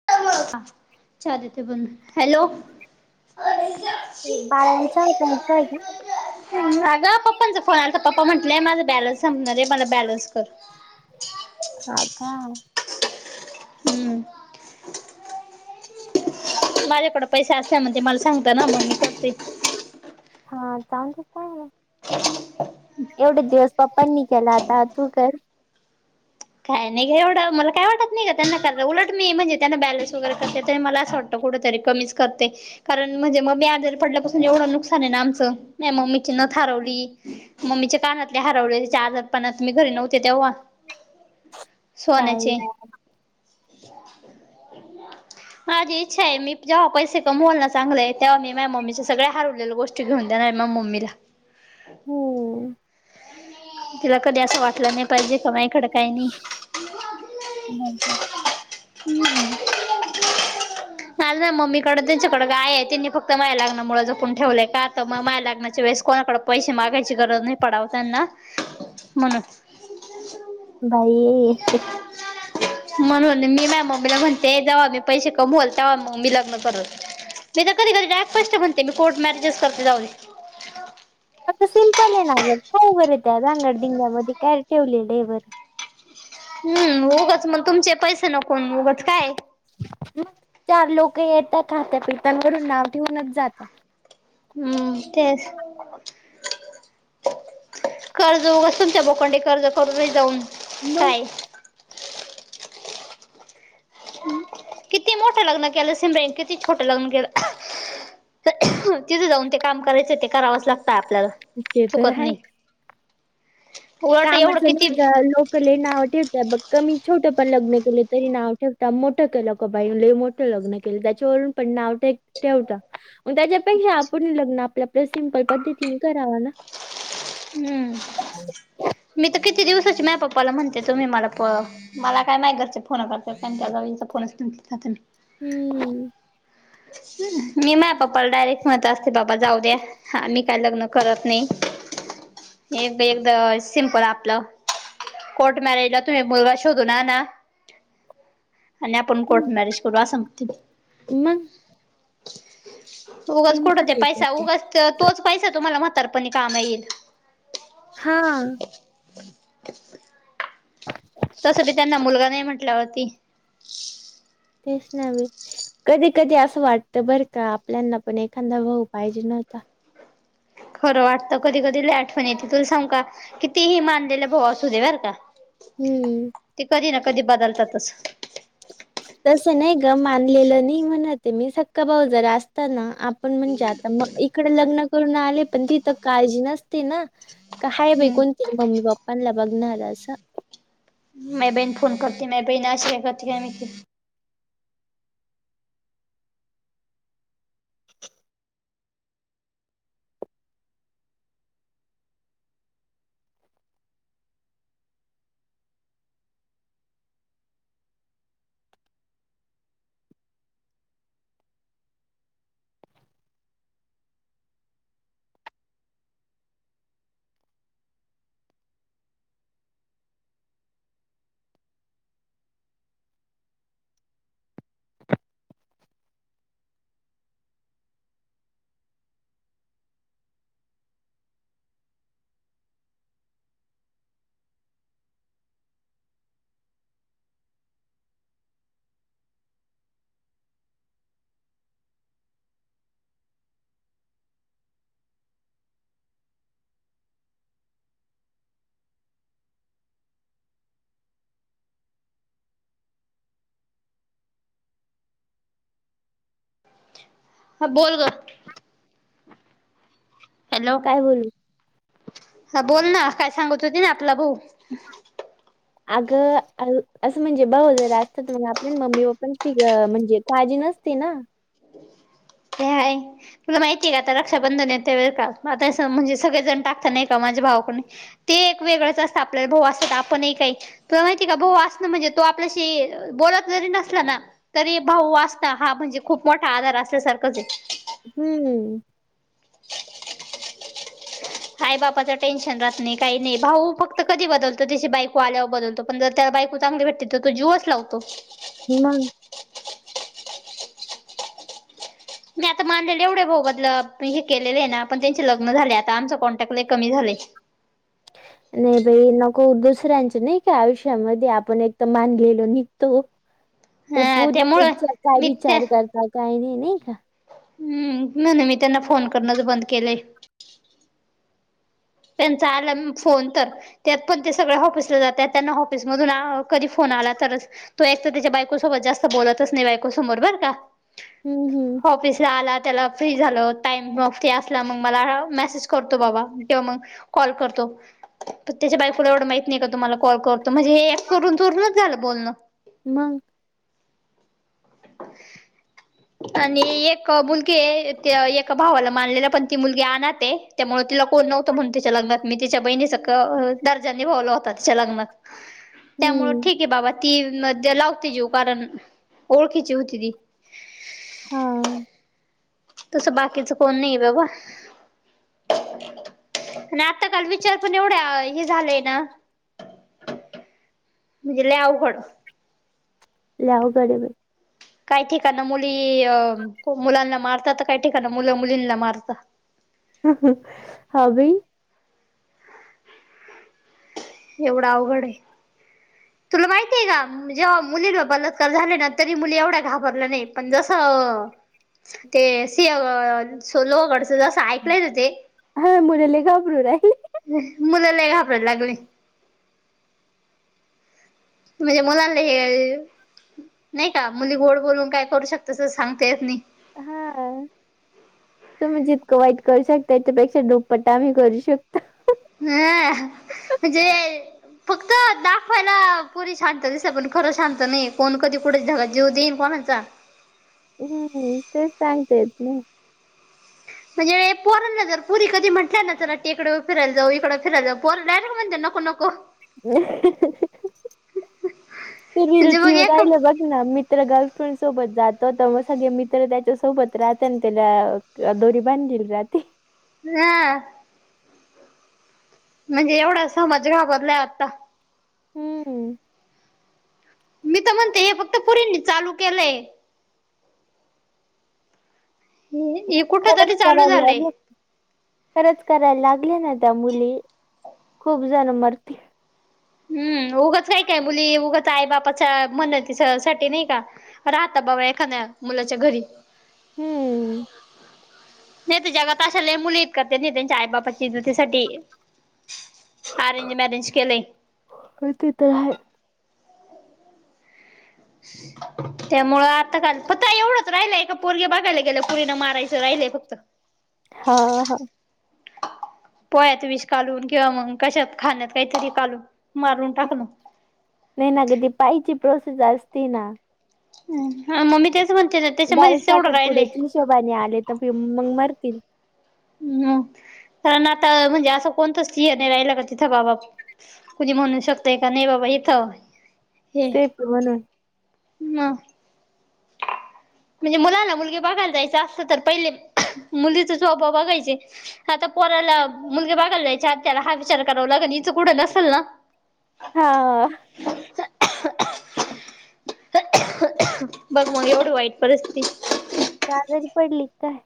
[unintelligible] हा चहा देते बन हॅलो ते बाळाल चहा प्यायचा आहे का? अगं पप्पांच फोन आला, तर पप्पा म्हटले माझं बॅलन्स संपणार आहे, मला बॅलन्स कर. सारखा हम्म माझ्याकडं पैसे असल्या म ते मला सांगता ना मग मी करते. हा चांगलं त आहे मग. एवढे दिवस पप्पांनी केल आता तू कर. काय नाही ग एवढं मला काय वाटत नाही ग त्यांना करा उलट मी म्हणजे त्यांना बॅलन्स वगैरे करते त मला असं वाट कुठेतरी कमीच करते. कारण म्हणजे मम्मी आजारी पडल्यापासून एवढं नुकसान आहे ना आमचं नाही मग्मीची नथ हरवली मम्मीचे कानातले हारवले तिच्या आजारपणात मी घरी नव्हते तेव्हा काय सोनचे. माझी इच्छा आहे मी जेव्हा पैसे कमवाल ना चांगले तेव्हा मी म्या मम्मीच्या सगळ्या हरवलेल्या गोष्टी घेऊन देणार आहे म्या मम्मीला. हम्म तिला कधी असं वाटलं नाही पाहिजे का माया कड काही नाही. हम्म [inaudible] नाही ना मम्मीकड त्यांच्याकडें गाय आहे, त्यांनी फक्त माझ्या लग्नामुळ जपून ठेवलंय, का तर मग माया लगनाच्या वेळेस कोणाकड पैसे मागायची गरज नाही पडाव त्यांना म्हणून. बाई [inaudible] म्हणून मी मा मम्मीला म्हणते, जवा मी पैसे कमवल, तवा म मी लग्न करल. मी तर कधी- कधी डायरेक्ट पष्ट म्हणते. मी कोर्ट मॅरेजेस करते, जाऊदे. आता सिम्पलय ना ग. काय बरं त्या रांगडधंग्यामध्ये काय ठेवलेलं आहे बरं. हम्म, उगच मग तुमचे पैसे नको म उगच काय? चार लोक येता, खात्या- पिता, वरून नाव ठेऊनच जाता. हम्म. तेच. कर्ज उगाच तुमच्या बोकांडी कर्ज करून जाऊन, मग काय? किती मोठं लग्न केलं, सिमरा किती छोटं लग्न केलं तर, तिथे जाऊन ते काम करायचं, ते करावंच लागतं आपल्याला. ते तर चुकत हाय. नाही उलट एवढं कामाचं किती नाही गं. लोक लोक लय नाव ठिवट्यात बघ. कमी छोट पण लग्न केलं तरी, नाव ठेवता मोठं केलं क बाई लय मोठ लग्न केलं. त्याच्यावरून पण नाव ठेव ठेवता. मग त्याच्यापेक्षा आपण लग्न आपलं, आपल्या सिमपल पद्धतीने कराव ना? हम्म. मी तर किती दिवसाची माझ्या पप्पाला म्हणते, तुम्ही मला प मला काय नाही घरचें फोनं करत्यात. कारण त्या जावचा फोनच नाही उचलत आता मी. हम्म. मी माया पप्पाला डायरेक्ट म्हणत असते. बाबा जाऊ द्या. हा मी काय लग्नं करत नाही. एक- एकदा सिमपल आपलं कोर्ट मॅरेजला, तु एक मुलगा शोधू आना. आणि आपण कोर्ट मॅरेज करू. असं म्हणते मी. मंग. उगच कुठं ते सिम्पल होतं पैसा उगाच, त तोच पैसा तुम्हाला म्हातारपणी काम येईल. हां. तसं बी त्यांना, मुलगा नाही म्हटल्यावर ती. तेच ना बी. कधी कधी आसं वाटतं बरं का, आपल्यांना पण एखांदा भाऊ पाहिजे होता. खरं वाटतं. कधी- कधी लई आठवण येते. तुला सांगु का? कितीही मानलेला भाऊ असू दे, बर का. हम्म ते कधी ना, कधी बदलतातच. तसं नाही गं. मानलेलं नाही म्हणते मी. सक्का भाऊ जरा असता ना, आपण म्हणजे आता म इकडं लग्न करून आले, पण तिथं काळजी नसते नं. का हाय बाय कोण हम्म तरी, मम्मी पप्पांला बघणार असं. माई बहीणी फोन करते. माझी बहीण आशी काय करते, काय माहिती. हा, बोल गं. [unintelligible] हॅलो. काय बोलू? हा, बोल ना. काय सांगत होती ना, आपला भऊ आगं, अ असं म्हणजे, भाऊ जर असतां तर मग आपल्या मम्मी पप्पांची, फिक म्हणजे काळजी नस ती ना. होय. तुला माहितीय का, आता रक्षाबंधन येतोय बर का. म आता म्हणजे सगळेजण टाकता नाही का माझे भावाकडून ते एक वेगळंच असतं. आपल्याला भाऊ असता तर, आपणही काही तुला माहितीय का? भाऊ आसनं म्हणजे तो आपल्याशी, बोलत जरी नसला ना तरी भाऊ असता हा म्हणजे, खूप मोठा आधार असल्या सारखंचय. हम्म. [unintelligible] आई, बापाच टेन्शन राहात नाही काही नाही भाऊ फक्त कधी बदलतो त्याची बायको आल्यावर बदलतो. पण जर त्याला बायको चांगली भेटती तर तो जीवच लावतो. मंग. मी आता मानलेले एवढे भाऊ बदलं हे केलेले आहे ना पण त्यांचे लग्न झाले आता आमच कॉन्टॅक्ट लई कमी झालय. नाही बाई नको दुसऱ्यांच नाही का आयुष्यामध्ये आपण एक तर मानलेलो निघतो. ह [inaudible] तर पोरी पुढचा काय विचार करत काही नाही, नाही का? हम्म, म्हणुन मी त्यांना फोन करणंच बंद केलंय. त्यांचा आलं फोन तर त्यात पण ते सगळे ऑफिसला जातात त्यांना ऑफिस मधून कधी फोन आला तरच तो एक तर त्याच्या बायको सोबत जास्त बोलतच नाही बायकोसमोर बर का हम्म, हम्म. ऑफिस ला आला त्याला फ्री झालं टाईम मग फ्री असला मग मला मेसेज करतो बाबा किंवा मग कॉल करतो. पण त्याच्या बायकुला एवढं माहित नाही का तुम्हाला कॉल करतो म्हणजे हे करून चोरूनच झालं बोलण मग. [unintelligible] आणि एक मुलगी ए त्या एकभावाला मानलेला पण ती मुलगी आणाथ ये. त्यामुळं तिला कोणी नव्हतं म्हणून तिच्या लग्नात मी तिच्या बहिणी सारख दर्ज्यां नीभावला होता तिच्या लग्नात. त्यामुळं हं. ठीक आहे बाबा ती म लावते जिव कारण ओळखीची होती ती. हा.. तसं बाकीच कोण नाही बाबा. आणि आता काल विचार पण एवढ्या झालंय ना. म्हणजे लई आवघड. लई आवघड ये बाई. काही ठिकाण मुली अ मुलांना मारतात तर काही ठिकाण मुलं मुलींना मारतात. हं हं हा बाई. एवढं अवघड आहे. तुला माहितीय का जेव्हा मुलीचा बलात्कार झाला ना तरी मुली एवढा घाबरल्या नाही पण जसं अं ते सिया सो लोहगडच जसं ऐकलंय ना ते हा मुल लई घाबरू राहिले. मुलं लई घाबरायला लागले. म्हणजे मुलांना हे नाही का मुली गोड बोलून काय करू शकता तस सांगता येत नाही. हा. तुम्ही जितकं वाईट करू शकता ह्याच्यापेक्षा दुप्पटा आम्ही करू शकतो. हा ह म्हणजे फक्त दाखवायला पोरी शांत दिसता पण खरं शांत नाही कोण कधी कुठे जगात जिऊ देईन कोणचा. हम्म, तेच सांगतेेत नाही. म्हजे पोरना जर पुरी कधी म्हटल्या ना तर इकडे फिरायला जाऊ इकडे फिरायला जाऊ पोर डायरेक्ट म्हणते नको हो नको. [unintelligible] येवुन म्हणजे मग एक राहिले बघना. गर्लफ्रेंड सोबत जातो तेव्हा सगळे मित्र त्याच्यासोबत राहते त्याला त्याला दोरी बांधलेली राती [unintelligible] म्हणजे एवढा समाज घाबरलाय आता हम्म मी तर म्हणते हे फक्त पुरी चालू केलंय हे कुठ खरंच तरी चालू करायला झालंय लागु खरंच करायला लागले ना त्या मुली खूप जण मरतील हम्म उगंच नाही काय मुली उगच आई बापाच्या मनती साठी नाही का राहता बाबा एखाद मुलाच्या घरी हम्म नाही तुज्यागत अशा लय मुली हायत का त्यांच्या त्यांच्या आई बापा च्या इज्जती साठी अरेंज मॅरेज केलय होय ते तर हाय [inaudible] त्यामुळं आता काल फक्त एवढंच राहिलंय एका पोरगे बघायला गेल्याव पुरीना मारायचं राहिलंय फक्त. [inaudible] हा हा [inaudible] पोळ्यात विष कालवून किंवा मग कशात खाण्यात काहीतरी कालवून मारून टाकन. नाही ना कधी पायची प्रोसेस असते ना हा म-मी तेच म्हणते बारीक त्याच्यामध्येच तेवढं राहिल. साखरपुड्याच्या हिशोबाने आले तर [unintelligible] मग मरतील हम्म कारण आता म्हणजे असं कोणतचिय नाही राहिला का तिथं बाबा. कोणी म्हणू शकतय का नाही बाबा इथं हे सेफ म्हणून म्हणजे मुलाला मुलगी बघायला जायच असं तर पहिले मुलीचा स्वभाव बघायचे. आता पोराला मुलगी बघायला जायाच्यात हत त्याला हा विचार कराव लागन इचं कुठं नसेल ना. हां बघ मग एवढी वाईट परिस्थिती. तर आजारी पडली काय?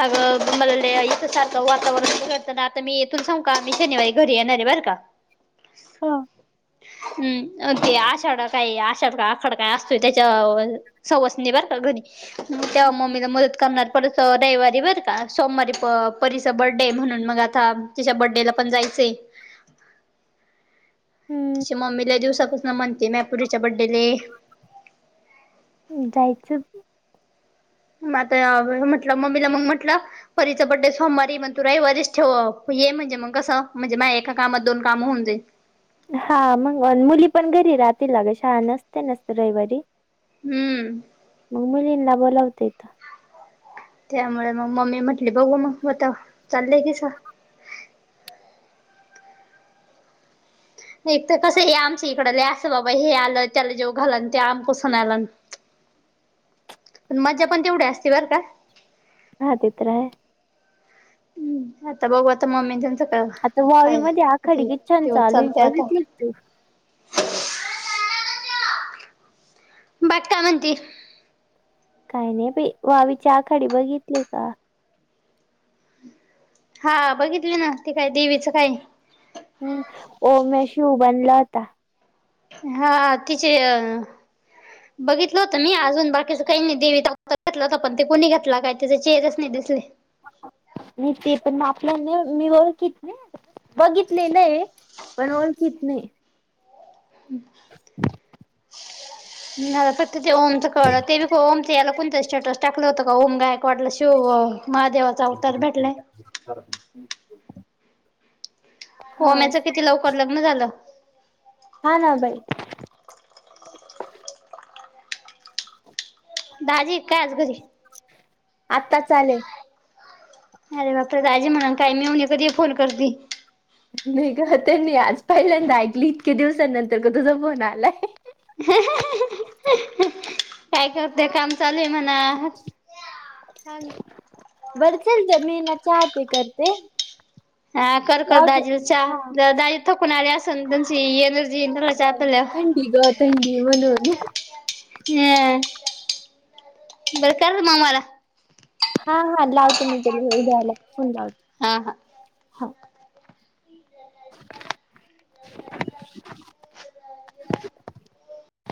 अगं मला लय इथ सारखं वातावरण बिघडत आता मी येथून सांगु का मी शनिवारी घरी येणार आहे बर का. [inaudible] हो. हम्म ते आषाढ काही आषाढ का आखड काय असतोय त्याच्या सवसणी बार का घरी, तेव्हा मम्मीला मदत करणार परत रवीवारी बरं का सोमवारी प परीच बर्थडे हे म्हणून मग आता तिच्या बर्थडेला पण जायचंय. तशी हम्म मम्मीला दिवसापासून म्हणते मा पुरीच्या बड्डेले जायचं. मग आता म्हटलं मम्मीला मग म्हटलं. परीच बड्डे सोमवारी हे पण तु रवीवारी ठेवू ये म्हणजे मग कसं म्हणजे माय एका कामात दोन काम होऊन जाई. हा मग मुली पण घरी राहातील ना गं शाळा नसते नसत रविवारी. हम्म मग मुलींना बोलावतेत. त्यामुळे मग मम्मी म्हटली बघू मग आता चाललंय कीसा एक तर कसं आहे आमच्या इकडं लय असं बाबा हे आलं त्याला जेव घालान ते आम कसून आलं. मजा पण तेवढ्या असते बर का. हा ते तर आहे. हम्. आता बघू आता मम्मीते आता वावी मध्ये आखाडी की छान चालूय चालतय आता. बघितली तू? बाकी काय म्हणती? काय नाही बाई वावीच्या आखाडी बघितली का? हा. बघितली ना. ते काय देवीचं काय हम्म. ओम नमः शिवाय बनला होता. हा तिचे अ बघितलं होत नाही अजून बाकीच काही दिवे दाखवत घेतलं होत पण ते कोणी घेतला काय त्याचे चेहरच नाही दिसले. नाही ते पण आपल्या न न ओळखीतले. बघितलेलंय. पण ओळखीत नाही. हम्. [unintelligible] नाही फक्त ते ओम‌च कळलं ते बी ओमचे ह्याला कोणतर स्टेटस टाकल होत का. ओम गायकवाडला शिव महादेवाचा अवतार भेटलाय. हा ओम्याचं किती लवकर लग्न झालं. हा ना बाई. दाजी आहेत का आज घरी. आत्ताच आले. अरे बाप रे, दाजी म्हणेल काय मेव्हणी कधी पण फोन करती. नाही ग. तेनी आज पहिल्यांदा ऐकली इतक्या दिवसानंतरन तुझा फोन आलाय. [unintelligible] काय करते. काम चालूय म्हणा. बर चल. दोन महिन्याच आहे का ते? हा कर कर. लावते दाजीला चहा. हा दाजी थकून आले असल तुमची. एन बरं. थंडी ग थंडी म्हणून. हम्. बर कर मग मला. हा हा लावते मी. तुला उद्या आल. फोन लावते. हा हा. हा. [unintelligible]